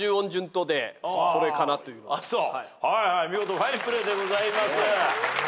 見事ファインプレーでございます。